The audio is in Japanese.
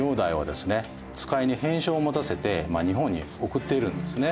遣いに返信を持たせて日本に送っているんですね。